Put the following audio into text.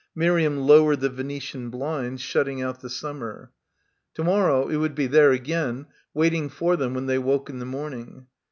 Miriam lowered the Venetian blinds, shutting out the summer. To morrow it would be there again, waiting for them when they woke in the morning.